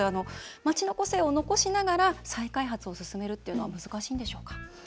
街の個性を残しながら再開発を進めるっていうのは難しいんでしょうか？